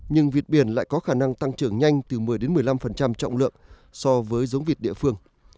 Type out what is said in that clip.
nhưng vịt biển lại có khả năng tăng trưởng nhanh từ một mươi một mươi năm trọng lượng so với giống vịt địa phương